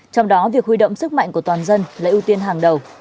trong đó việc huy động sức mạnh của toàn dân là ưu tiên hàng đầu